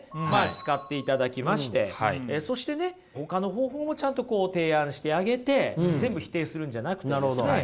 使っていただきましてそしてねほかの方法もちゃんとこう提案してあげて全部否定するんじゃなくてですね。